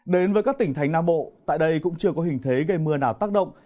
đến với các tỉnh thành nam bộ tại đây cũng chưa có hình thế gây mưa nào tác động